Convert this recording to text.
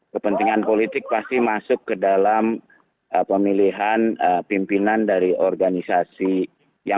kepentingan politik pasti masuk ke dalam pemilihan pimpinan dan pemerintahan